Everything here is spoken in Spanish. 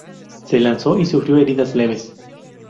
Se lanzó y sufrió heridas leves.